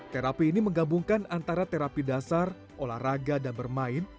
terapi ini menggabungkan antara terapi dasar olahraga dan bermain